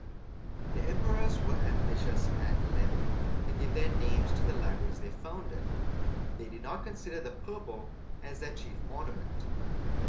The emperors were ambitious, at length, to give their names to the libraries they founded; they did not consider the purple as their chief ornament.